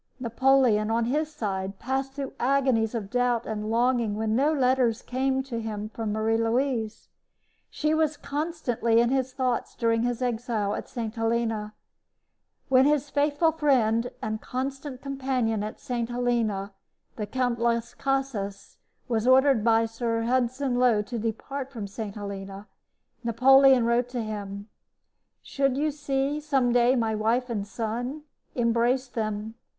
Napoleon, on his side, passed through agonies of doubt and longing when no letters came to him from Marie Louise. She was constantly in his thoughts during his exile at St. Helena. "When his faithful friend and constant companion at St. Helena, the Count Las Casas, was ordered by Sir Hudson Lowe to depart from St. Helena, Napoleon wrote to him: "Should you see, some day, my wife and son, embrace them.